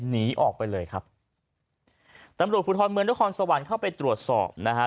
หนีออกไปเลยครับตำรวจภูทรเมืองนครสวรรค์เข้าไปตรวจสอบนะฮะ